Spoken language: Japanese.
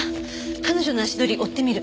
彼女の足取り追ってみる。